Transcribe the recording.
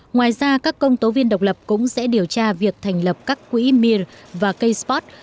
ngoài ra các công tố viên độc lập cũng sẽ điều tra việc thành lập các quỹ mier và k sport